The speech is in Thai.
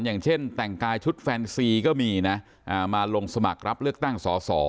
อย่างเช่นแต่งกายชุดแฟนซีก็มีนะมาลงสมัครรับเลือกตั้งสอสอ